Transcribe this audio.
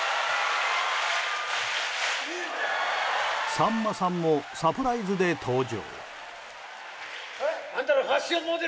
さんまさんもサプライズで登場。